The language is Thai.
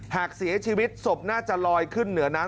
หากเสียชีวิตศพน่าจะลอยขึ้นเหนือน้ำ